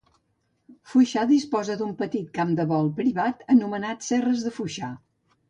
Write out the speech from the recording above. Foixà disposa d'un petit camp de vol privat anomenat Serres de Foixà.